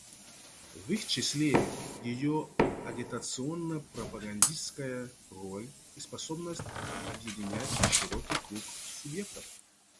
В их числе ее агитационно-пропагандистская роль и способность объединять широкий круг субъектов.